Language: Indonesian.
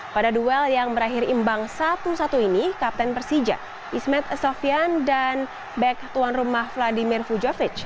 pada duel yang berakhir imbang satu satu ini kapten persija ismet sofian dan back tuan rumah vladimir fujovic